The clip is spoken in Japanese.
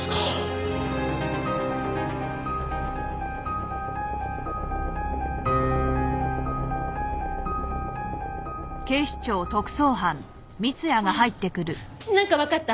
あっなんかわかった？